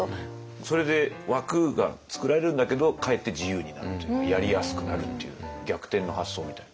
それで枠が創られるんだけどかえって自由になるというやりやすくなるっていう逆転の発想みたいな。